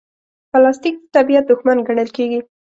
پلاستيک د طبیعت دښمن ګڼل کېږي.